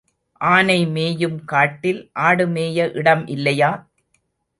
ஆனை மேயும் காட்டில் ஆடு மேய இடம் இல்லையா?